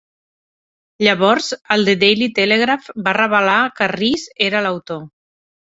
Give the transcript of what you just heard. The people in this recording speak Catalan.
Llavors, el "The Daily Telegraph" va revelar que Rees era l'autor.